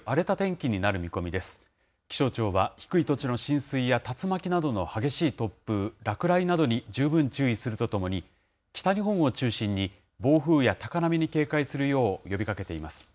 気象庁は低い土地の浸水や、竜巻などの激しい突風、落雷などに十分注意するとともに、北日本を中心に、暴風や高波に警戒するよう呼びかけています。